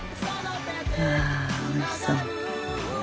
あおいしそう。